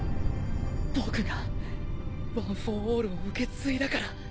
僕がワン・フォー・オールを受け継いだから